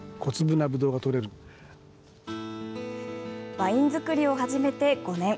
ワイン造りを始めて５年。